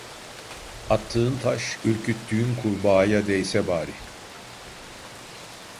Attığın taş, ürküttüğün kurbağaya değse bari!